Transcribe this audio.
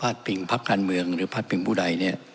ปิงพักการเมืองหรือพาดพิงผู้ใดเนี่ย